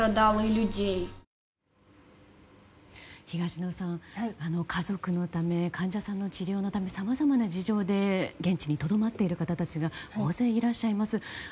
東野さん、家族のため患者さんの治療のためさまざまな事情で現地にとどまっている方たちが大勢いらっしゃいます。